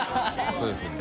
そうですね。